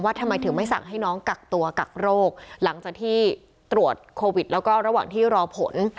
ทำไมถึงไม่สั่งให้น้องกักตัวกักโรคหลังจากที่ตรวจโควิดแล้วก็ระหว่างที่รอผล